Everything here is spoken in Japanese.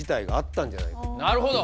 なるほど。